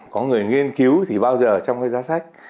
có người nghiên cứu thì bao giờ trong cái giá sách